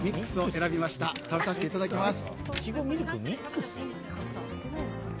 食べさせていただきます。